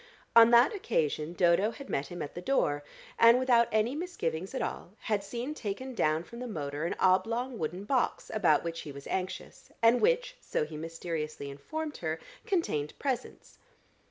On that occasion Dodo had met him at the door, and without any misgivings at all had seen taken down from the motor an oblong wooden box about which he was anxious, and which, so he mysteriously informed her, contained "presents."